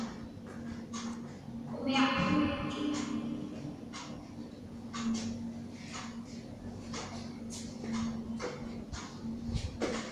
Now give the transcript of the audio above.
Umiaqtuŋitchut.